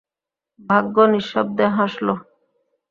ভাগ্য নিঃশব্দে হাসল।